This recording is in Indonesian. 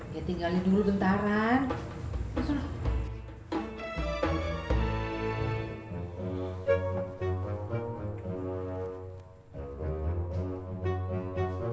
ya tinggalin dulu bentaran